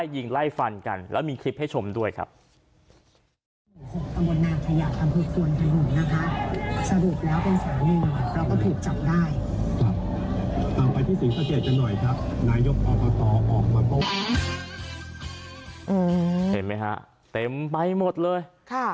เห็นไหมฮะเต็มไปหมดเลย